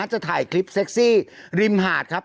จะถ่ายคลิปเซ็กซี่ริมหาดครับ